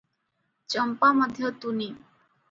ଚମ୍ପା ମଧ୍ୟ ତୁନି ।